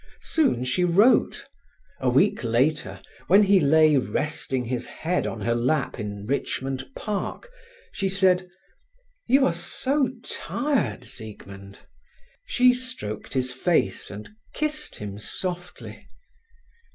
Soon she wrote. A week later, when he lay resting his head on her lap in Richmond Park, she said: "You are so tired, Siegmund." She stroked his face, and kissed him softly.